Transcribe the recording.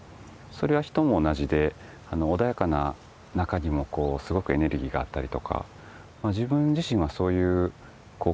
それは人も同じで穏やかな中にもすごくエネルギーがあったりとか自分自身はそういう根底のエネルギー